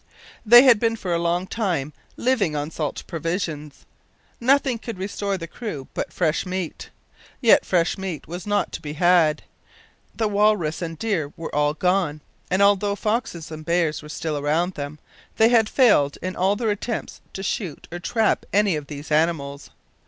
They had been for a long time living on salt provisions. Nothing could restore the crew but fresh meat yet fresh meat was not to be had. The walrus and deer were gone, and although foxes and bears were still around them, they had failed in all their attempts to shoot or trap any of these animals.